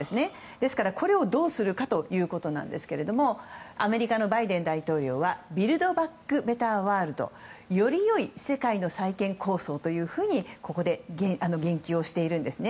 ですから、これをどうするかということなんですけれどもアメリカのバイデン大統領はビルド・バック・ベター・ワールドより良い世界の再建構想というふうにここで言及しているんですね。